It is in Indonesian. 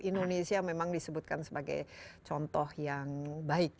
indonesia memang disebutkan sebagai contoh yang baik